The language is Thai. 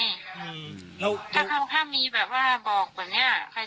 ถ้ามีแบบว่าบอกว่าเนี่ยใครจะไปคะจะเที่ยวสนุกได้ไง